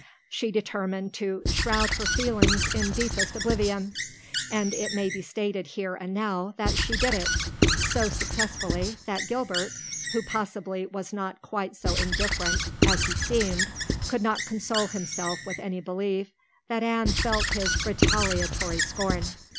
She determined to "shroud her feelings in deepest oblivion," and it may be stated here and now that she did it, so successfully that Gilbert, who possibly was not quite so indifferent as he seemed, could not console himself with any belief that Anne felt his retaliatory scorn.